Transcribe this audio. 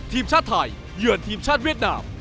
ทีมชาติไทยเยือนทีมชาติเวียดนาม